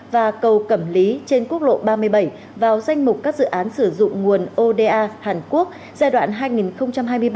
và cầu cẩm lý trên quốc lộ ba mươi bảy vào danh mục các dự án sử dụng nguồn oda hàn quốc giai đoạn hai nghìn một mươi sáu hai nghìn hai mươi